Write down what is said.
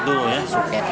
bapak dari jam berapa